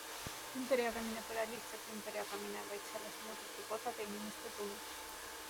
Ümberjagamine pole lihtsalt ümberjagamine, vaid sellest moodustub osade inimeste tulu.